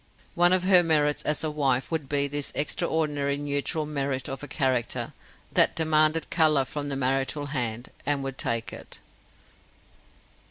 One of her merits as a wife would be this extraordinary neutral merit of a character that demanded colour from the marital hand, and would take it.